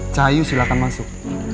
cahayu silahkan masuk